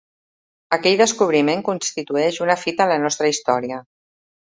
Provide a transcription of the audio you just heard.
Aquell descobriment constitueix una fita en la nostra història.